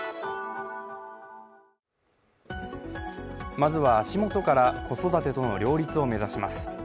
まずは足元から子育てとの両立を目指します。